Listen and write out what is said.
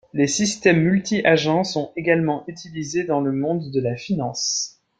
Les systèmes multi-agents sont également utilisés dans le monde de la finance.